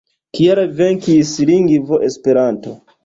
Kial venkis lingvo Esperanto?